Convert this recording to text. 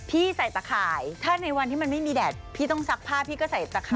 พี่ใส่ตะข่ายถ้าในวันที่มันไม่มีแดดพี่ต้องซักผ้าพี่ก็ใส่ตะข่าย